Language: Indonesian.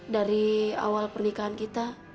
dari awal pernikahan kita